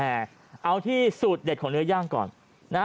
แต่เอาที่สูตรเด็ดของเนื้อย่างก่อนนะ